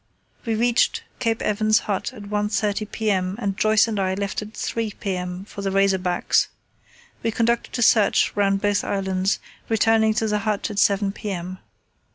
We reached the Cape Evans Hut at 1.30 p.m., and Joyce and I left at 3 p.m. for the Razorbacks. We conducted a search round both islands, returning to the hut at 7 p.m.